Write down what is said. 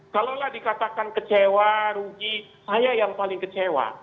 kalaulah dikatakan kecewa rugi saya yang paling kecewa